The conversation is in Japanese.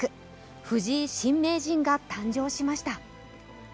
藤井新名人が誕生しました。